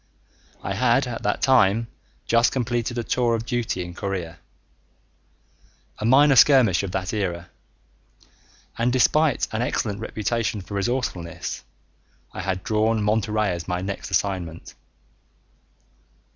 I had at that time just completed a tour of duty in Korea, a minor skirmish of that era, and despite an excellent reputation for resourcefulness, I had drawn Monterey as my next assignment.